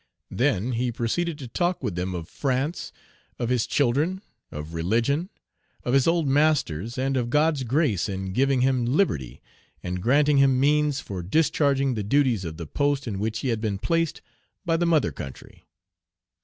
Then he proceeded to talk with them of France, of his children, of religion, of his old masters, and of God's grace in giving him liberty, and granting him means for discharging the duties of the post in which he had been placed by the mother country.